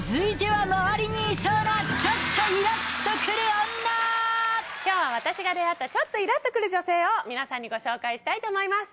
続いては今日は私が出会ったちょっとイラっと来る女性を皆さんにご紹介したいと思います。